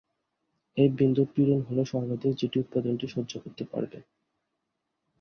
এই বিন্দুর পীড়ন হল সর্বাধিক, যেটি উপাদানটি সহ্য করতে পারবে।